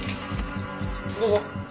どうぞ。